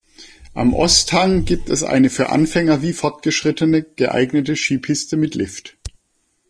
Am Osthang gibt es eine für Anfänger wie Fortgeschrittene geeignete Skipiste mit Lift.